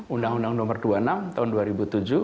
undang undang nomor dua puluh enam tahun dua ribu tujuh